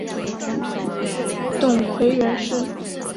董槐人士。